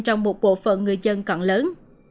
trong một bộ phận người dân còn lớn